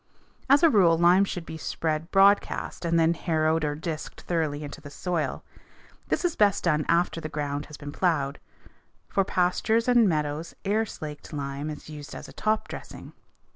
As a rule lime should be spread broadcast and then harrowed or disked thoroughly into the soil. This is best done after the ground has been plowed. For pastures or meadows air slaked lime is used as a top dressing.